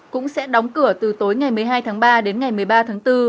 cũng sẽ đóng cửa từ tối ngày một mươi hai tháng ba đến ngày một mươi ba tháng bốn